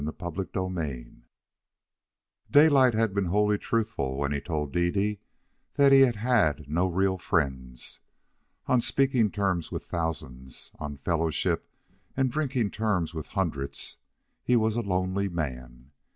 CHAPTER XVIII Daylight had been wholly truthful when he told Dede that he had no real friends. On speaking terms with thousands, on fellowship and drinking terms with hundreds, he was a lonely man.